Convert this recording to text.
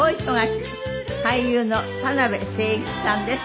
俳優の田辺誠一さんです。